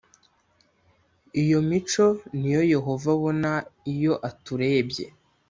iyo mico ni yo yehova abona iyo aturebye